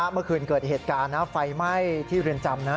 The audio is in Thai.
เมื่อคืนเกิดเหตุการณ์ไฟไหม้ที่เรือนจำนะ